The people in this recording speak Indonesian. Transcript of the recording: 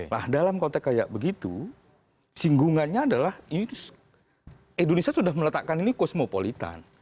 nah dalam konteks kayak begitu singgungannya adalah ini indonesia sudah meletakkan ini kosmopolitan